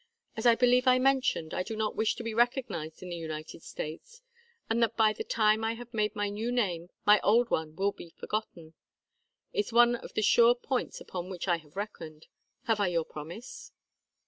As I believe I mentioned, I do not wish to be recognized in the United States; and that by the time I have made my new name my old one will be forgotten, is one of the sure points upon which I have reckoned. Have I your promise?"